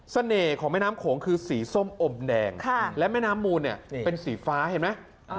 ของแม่น้ำโขงคือสีส้มอมแดงและแม่น้ำมูลเนี่ยเป็นสีฟ้าเห็นไหม